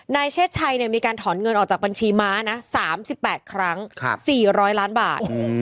เชศชัยมีการถอนเงินออกจากบัญชีม้านะ๓๘ครั้ง๔๐๐ล้านบาท